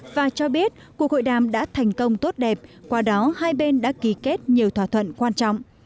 và cho biết cuộc hội đàm đã thành công tốt đẹp qua đó hai bên đã ký kết nhiều thỏa thuận quan trọng